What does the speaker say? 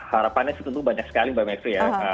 harapannya tentu banyak sekali mbak mekri ya